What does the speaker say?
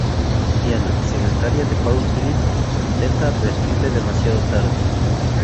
Tiana, secretaría de Paul Philip, intenta advertirle demasiado tarde.